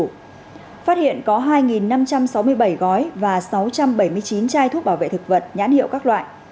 phát hiện có hai năm trăm sáu mươi bảy gói và sáu trăm bảy mươi chín chai thuốc bảo vệ thực vật nhãn hiệu các loại